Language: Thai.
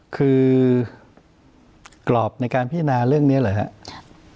คือกรอบในการพิจารณาเรื่องนี้เหรอครับ